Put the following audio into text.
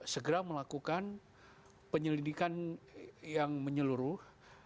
segera melakukan penyelidikan yang menyeluruh